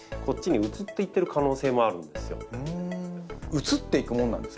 うつっていくものなんですか？